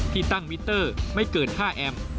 ที่ตั้งมิเตอร์ไม่เกิน๕แอมป์